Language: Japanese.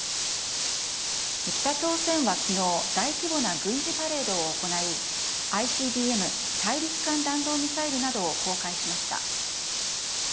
北朝鮮は昨日大規模な軍事パレードを行いＩＣＢＭ・大陸間弾道ミサイルなどを公開しました。